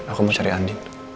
aku mau cari andien